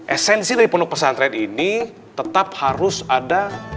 esensi dari pondok pesantren ini tetap harus ada